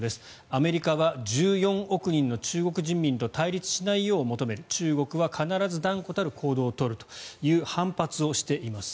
アメリカは１４億人の中国人民と対立しないように求める中国は必ず断固たる行動を取ると反発をしています。